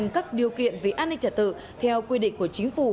các điều kiện về an ninh trả tự theo quy định của chính phủ